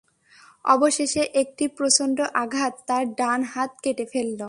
অবশেষে একটি প্রচণ্ড আঘাত তার ডান হাত কেটে ফেলল।